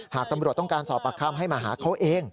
หากตำรวจต้องการสอบปากคำให้มาหาเขาเอง